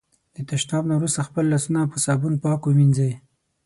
د تشناب نه وروسته خپل لاسونه په صابون پاک ومېنځی.